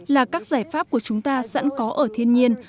là các giải pháp của chúng ta sẵn có ở thiên nhiên